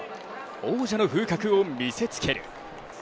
王者の風格を見せつける。